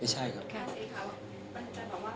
ไม่ใช่แบบนั้น